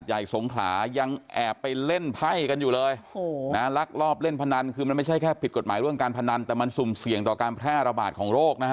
หลักรอบเล่นพนันคือมันไม่ใช่แค่ผิดกฎหมายเรื่องการพนันแต่มันสุ่มเสี่ยงต่อการแพร่ระบาดของโรคนะฮะ